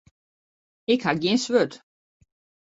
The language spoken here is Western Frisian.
Ik ha gjin swurd.